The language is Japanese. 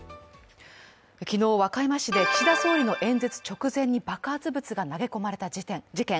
昨日、和歌山市で岸田総理の演説直前に爆発物が投げ込まれた事件。